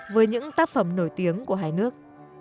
với những tác phẩm nổi tiếng của hai nước